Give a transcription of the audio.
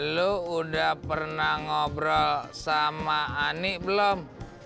lo udah pernah ngobrol sama anik belum